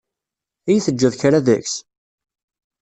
Ad yi-teǧǧeḍ kra deg-s?